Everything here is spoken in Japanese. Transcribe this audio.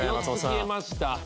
４つ消えました。